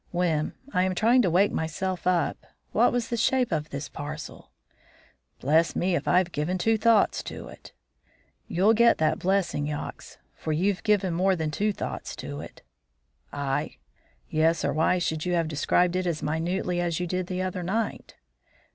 "Whim. I am trying to wake myself up. What was the shape of this parcel?" "Bless me if I've given two thoughts to it." "You'll get that blessing, Yox; for you've given more than two thoughts to it." "I?" "Yes, or why should you have described it as minutely as you did the other night?"